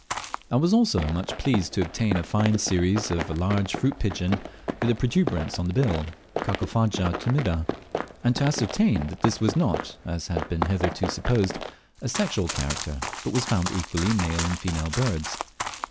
I was also much pleased to obtain a fine series of a large fruit pigeon with a protuberance on the bill (Carpophaga tumida), and to ascertain that this was not, as had been hitherto supposed, a sexual character, but was found equally in male and female birds.